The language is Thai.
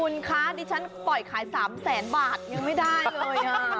คุณคะชั้นปล่อยขาย๓๐๐๐๐๐๐บาทไม่ได้เลย